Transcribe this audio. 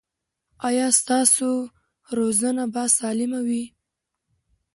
ایا ستاسو روزنه به سالمه وي؟